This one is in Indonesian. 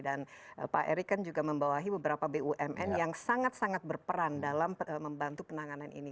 dan pak erick kan juga membawahi beberapa bumn yang sangat sangat berperan dalam membantu penanganan ini